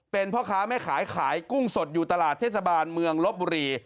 เป็นพ่อค้าแม่ขายขายกุ้งสดอยู่ตลาดเทศบาลเมืองลบบุรี